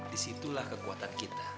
disitulah kekuatan kita